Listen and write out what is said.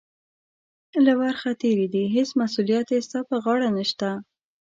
له ورخه تېرې دي، هېڅ مسؤلیت یې ستا پر غاړه نشته.